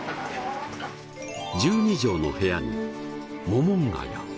１２畳の部屋にモモンガや。